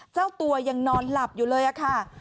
เจ้าตัวยังนอนหลับอยู่เลยค่ะ